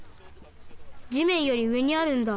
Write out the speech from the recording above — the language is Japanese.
じめんよりうえにあるんだ。